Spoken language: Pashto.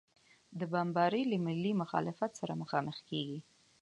دا بمبارۍ له ملي مخالفت سره مخامخ کېږي.